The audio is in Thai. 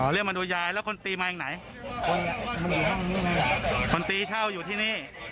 อ๋อเรียกมาดูยายแล้วคนตีมาอย่างไหนคนคนตีช่าวอยู่ที่นี่